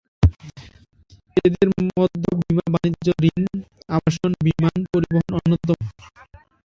এদের মধ্যে বীমা, বাণিজ্য ঋণ, আবাসন, বিমান পরিবহন অন্যতম।